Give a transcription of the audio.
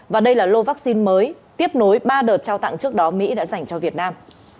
và đây là lô vaccine mới tiếp nối ba đợt trao tặng trước đó mỹ đã dành cho việt nam